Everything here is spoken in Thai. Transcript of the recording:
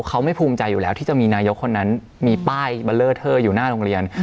เขาไม่ภูมิใจอยู่แล้วที่จะมีนายกคนนั้นมีป้ายเบอร์เลอร์เทอร์อยู่หน้าโรงเรียน